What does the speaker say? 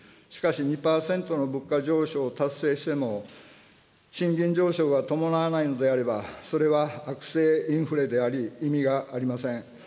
しかし、２％の物価上昇を達成しても、賃金上昇が伴わないのであれば、それは悪性インフレであり、意味がありません。